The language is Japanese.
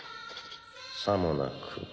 さもなくば。